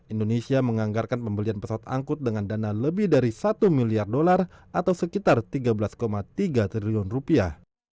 indonesia menganggarkan pembelian pesawat angkut dengan dana lebih dari satu miliar dolar atau sekitar tiga belas tiga triliun rupiah